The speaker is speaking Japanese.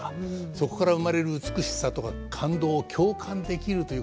そこから生まれる美しさとか感動を共感できるということなんでしょう。